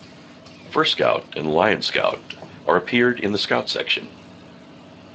First Scout and Lion Scout are appeared in the Scout Section.